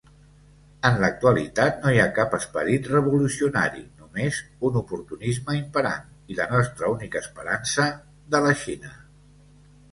En l'actualitat, no hi ha cap esperit revolucionari, només un oportunisme imperant" i "la nostra única esperança de la Xina.